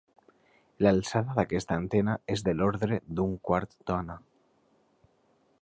L'alçada d'aquesta antena és de l'ordre d'un quart d'ona.